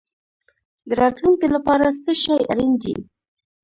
د راتلونکي لپاره څه شی اړین دی؟